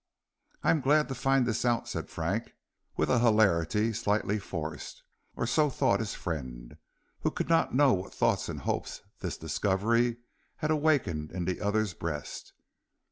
"I am glad to find this out," said Frank, with a hilarity slightly forced, or so thought his friend, who could not know what thoughts and hopes this discovery had awakened in the other's breast.